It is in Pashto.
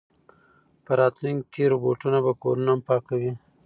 په راتلونکي کې روبوټونه به کورونه هم پاکوي.